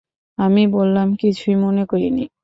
আমি বললাম, কিছুই মনে করি নি।